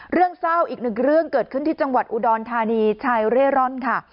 เรื่องเศร้าอีกหนึ่งเรื่องเกิดขึ้นที่จังหวัดอุดรธานีชายเร่ร่อนค่ะ